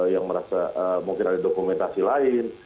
yang merasa mungkin ada dokumentasi lain